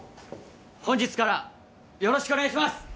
本日からよろしくお願いします！